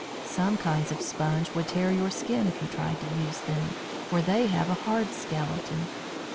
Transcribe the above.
Some kinds of Sponge would tear your skin if you tried to use them, for they have a hard skeleton.